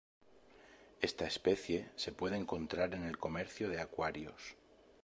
Esta especie se puede encontrar en el comercio de acuarios.